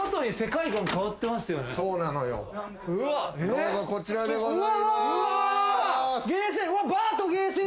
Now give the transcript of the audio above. どうぞこちらでございまーす！